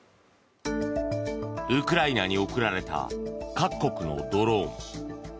ウクライナに送られた各国のドローン。